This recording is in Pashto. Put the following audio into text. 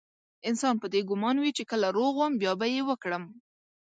انسان په دې ګمان وي چې کله روغ وم بيا به يې وکړم.